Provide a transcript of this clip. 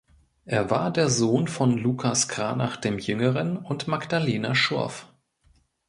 Er war der Sohn von Lucas Cranach dem Jüngeren und Magdalena Schurff.